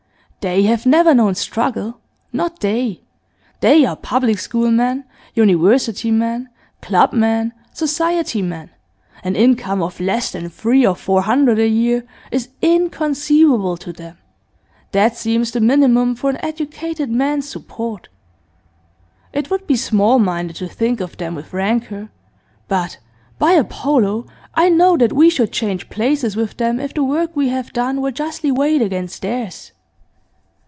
They have never known struggle; not they. They are public school men, University men, club men, society men. An income of less than three or four hundred a year is inconceivable to them; that seems the minimum for an educated man's support. It would be small minded to think of them with rancour, but, by Apollo! I know that we should change places with them if the work we have done were justly weighed against theirs.